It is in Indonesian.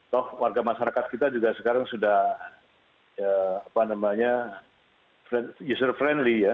toh warga masyarakat kita juga sekarang sudah user friendly ya